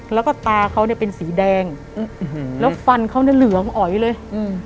แล้วก็ตาเขาเนี่ยเป็นสีแดงอืมแล้วฟันเขาเนี่ยเหลืองอ๋อยเลยอืม